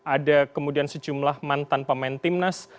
ada kemudian sejumlah mantan pemain timnas